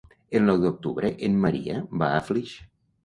El nou d'octubre en Maria va a Flix.